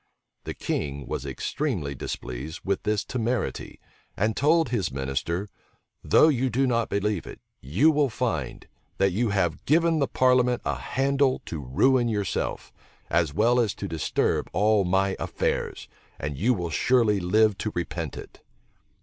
The king was extremely displeased with this temerity, and told his minister, "Though you do not believe it, you will find, that you have given the parliament a handle to ruin yourself, as well as to disturb all my affairs; and you will surely live to repent it."